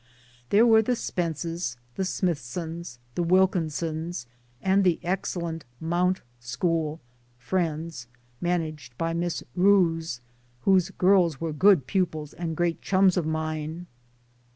There were the Spences, the Smithsons, the Wilkin sons, and the excellent * Mount ' school (' Friends ') managed b> Miss Rous whose girls were good pupils and great chums of mine.